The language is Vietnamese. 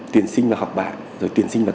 tuyển sinh vào học bạc rồi tuyển sinh vào